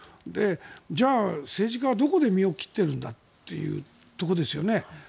じゃあ、政治家はどこで身を切ってるんだというところですよね。